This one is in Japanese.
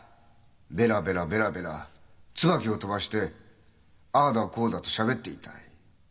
ベラベラベラベラつばきを飛ばしてああだこうだとしゃべっていたい。